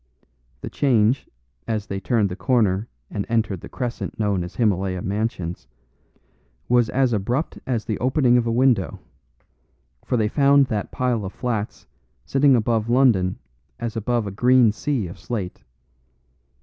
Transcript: The change, as they turned the corner and entered the crescent known as Himylaya Mansions, was as abrupt as the opening of a window; for they found that pile of flats sitting above London as above a green sea of slate.